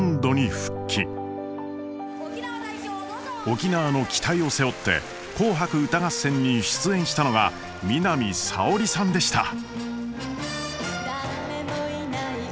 沖縄の期待を背負って「紅白歌合戦」に出演したのが南沙織さんでした。